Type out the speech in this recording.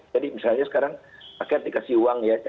jadi misalnya sekarang akhirnya dikasih uang ya